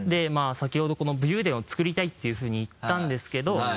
まぁ先ほどこの武勇伝をつくりたいっていうふうに言ったんですけど。